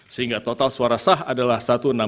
sehingga total suara sah adalah